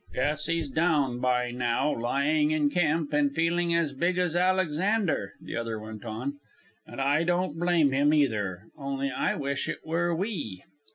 "Guess he's down by now, lying in camp and feeling as big as Alexander," the other went on. "And I don't blame him, either; only I wish it were we."